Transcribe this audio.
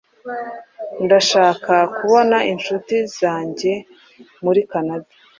Ndashaka kubona inshuti zanjye muri Kanada.